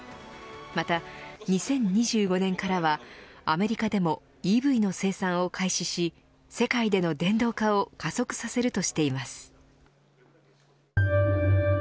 また、２０２５年からはアメリカでもＥＶの生産を開始し世界での電動化を加速させるとしています。